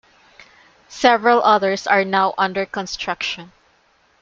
Several others are now under construction.